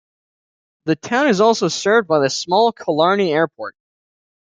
The town is also served by the small Killarney Airport.